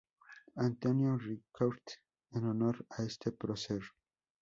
Antonio Ricaurte en honor a este prócer.